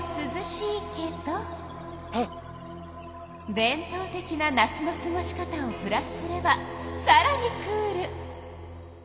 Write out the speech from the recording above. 伝とう的な夏のすごし方をプラスすればさらにクール！